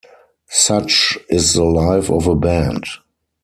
Such is the life of a band.